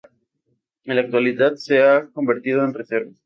En la actualidad, se ha convertido en reserva.